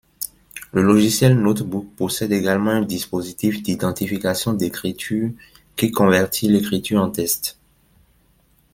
Le logiciel Notebook possède également un dispositif d'identification d'écriture qui convertit l'écriture en texte.